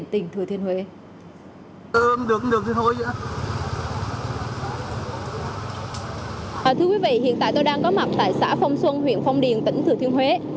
tại tôi đang có mặt tại xã phong xuân huyện phong điền tỉnh thừa thiên huế